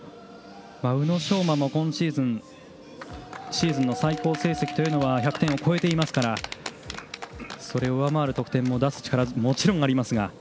宇野昌磨も今シーズンシーズンの最高成績というのは１００点を超えていますからそれを上回る得点を出す力はもちろんありますが。